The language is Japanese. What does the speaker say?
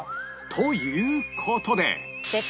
という事で